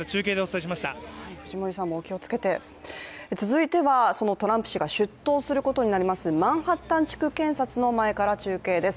続いてはそのトランプ氏が出頭することになりますマンハッタン地区検察の前から中継です。